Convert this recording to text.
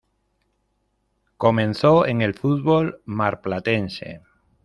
Comenzó en el fútbol marplatense.